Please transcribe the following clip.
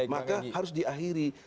maka harus diakhiri